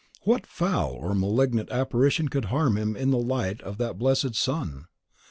What foul or malignant apparition could harm him in the light of that blessed sun!